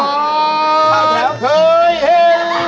แม่หน้าของพ่อหน้าของพ่อหน้า